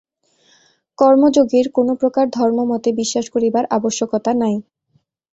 কর্মযোগীর কোন প্রকার ধর্মমতে বিশ্বাস করিবার আবশ্যকতা নাই।